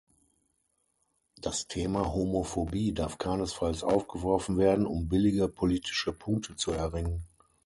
Das Thema Homophobie darf keinesfalls aufgeworfen werden, um billige politische Punkte zu erringen.